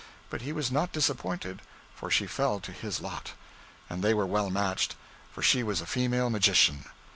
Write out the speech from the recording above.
But he was not disappointed, for she fell to his lot. And they were well matched, for she was a female magician.